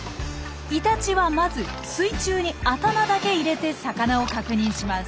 イタチはまず水中に頭だけ入れて魚を確認します。